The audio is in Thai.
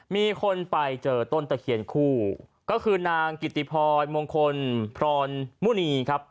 มีคนไปเจอต้นตะเคียนคู่ก็คือนางกิติพรมงคลพรมุณีครับ